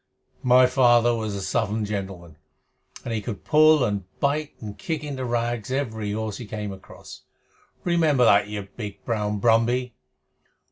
"My father was a Southern gentleman, and he could pull down and bite and kick into rags every horse he came across. Remember that, you big brown Brumby!"